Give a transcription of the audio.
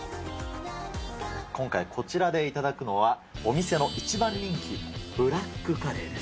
今回、こちらで頂くのはお店の一番人気、ブラックカレーです。